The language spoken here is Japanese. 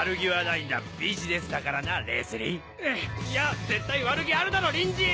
いや絶対悪気あるだろリンジー！